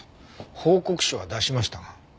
報告書は出しましたが。